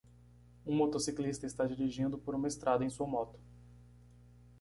Um motociclista está dirigindo por uma estrada em sua moto.